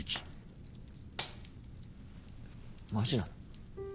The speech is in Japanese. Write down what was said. マジなの？